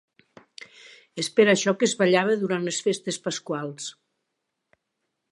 És per això que es ballava durant les festes pasquals.